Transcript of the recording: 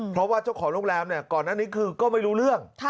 เพราะว่าเจ้าของโรงแรมก่อนหน้านี้คือก็ไม่รู้เรื่อง